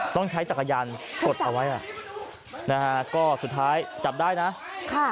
ต้องใช้จักรยานกดเอาไว้อ่ะนะฮะก็สุดท้ายจับได้นะค่ะ